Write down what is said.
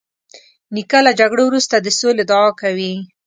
نیکه له جګړو وروسته د سولې دعا کوي.